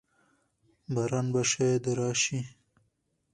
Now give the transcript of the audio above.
باران به شاید راشي.